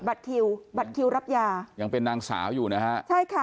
บัตรคิวบัตรคิวรับยายังเป็นนางสาวอยู่นะฮะใช่ค่ะ